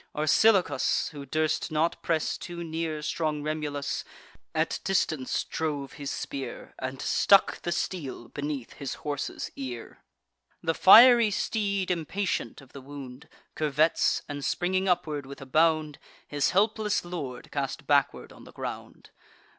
Orsilochus, who durst not press too near Strong Remulus, at distance drove his spear, And stuck the steel beneath his horse's ear. The fiery steed, impatient of the wound, Curvets, and, springing upward with a bound, His helpless lord cast backward on the ground.